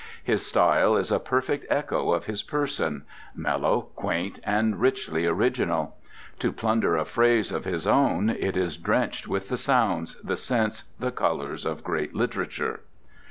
His style is a perfect echo of his person, mellow, quaint, and richly original. To plunder a phrase of his own, it is drenched with the sounds, the scents, the colours, of great literature.